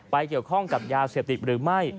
เกี่ยวข้องกับยาเสพติดหรือไม่